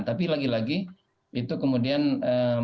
tapi lagi lagi itu kemudian menyampaikan doa